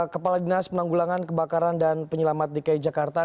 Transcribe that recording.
kepala dinas penanggulangan kebakaran dan penyelamat dki jakarta